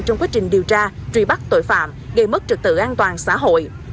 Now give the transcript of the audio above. trong quá trình điều tra truy bắt tội phạm gây mất trực tự an toàn xã hội